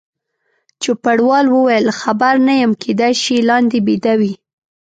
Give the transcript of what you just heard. چوپړوال وویل: خبر نه یم، کېدای شي لاندې بیده وي.